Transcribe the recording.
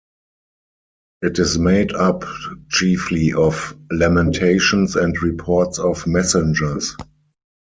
It is made up chiefly of lamentations and reports of messengers.